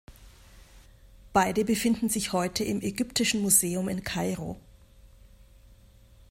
Beide befinden sich heute im Ägyptischen Museum in Kairo.